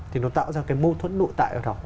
thì nó tạo ra cái mâu thuẫn nội tại ở đó